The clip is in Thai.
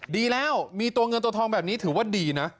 ดีแล้วมีตัวเงินตัวทองแบบนี้ถือว่าดีนะ